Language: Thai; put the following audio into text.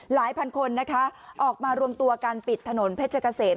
พันคนนะคะออกมารวมตัวการปิดถนนเพชรเกษม